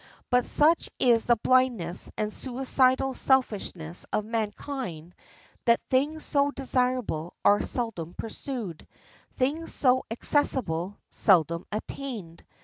But such is the blindness and suicidal selfishness of mankind that things so desirable are seldom pursued, things so accessible seldom attained.